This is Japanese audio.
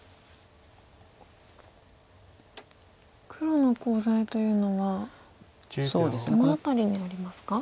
黒のコウ材というのはどの辺りにありますか？